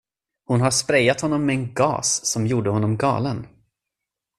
Hon har sprejat honom med en gas som gjorde honom galen.